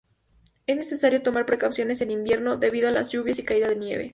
Es necesario tomar precauciones en invierno debido a las lluvias y caída de nieve.